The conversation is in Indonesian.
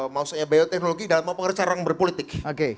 maksudnya bioteknologi dan pengaruh cara berpolitik